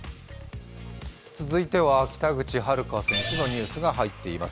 続いては北口榛花選手のニュースが入っています。